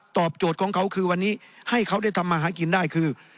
โจทย์ของเขาคือวันนี้ให้เขาได้ทำมาหากินได้คือ